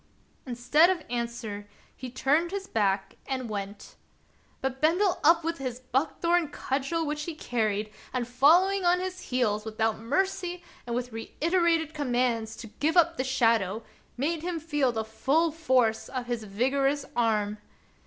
Instead of answer, he turned his back and went. But Bendel up with his buck thorn cudgel which he carried, and, following on his heels, without mercy and with reiterated com mands to give up the shadow, made him feel the full force of his vigorous arm.